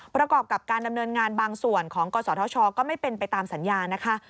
ประกอบกับการดำเนินงานบางส่วนของกศธชก็ไม่เป็นไปตามสัญญานะคะ